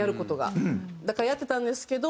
だからやってたんですけど